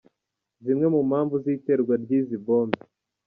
Zimwe mu mpamvu z’iterwa ry’izi bombe.